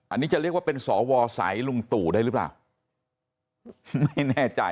อันนี้จะเรียกว่าเป็นศวสัยลุงตุได้หรือเปล่า